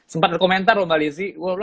sempet ada komentar loh mbak lizzy